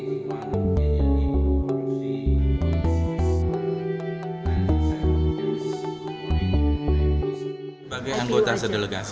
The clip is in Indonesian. sebagai anggota sedelegasi